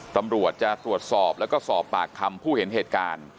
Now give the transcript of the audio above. ตำรวจจะตรวจสอบแล้วก็สอบปากคำผู้เห็นเหตุการณ์